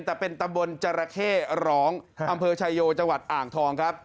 แต่เป็นตำบลจราเข้ร้องอำเภอชายโยจังหวัดอ่างทองครับ